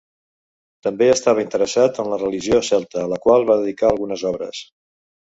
També estava interessat en la religió celta, a la qual va dedicar algunes obres.